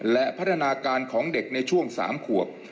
และพัฒนาการของเด็กในช่วง๓ขวบ